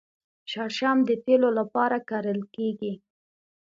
شړشم د تیلو لپاره کرل کیږي.